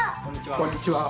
こんにちは。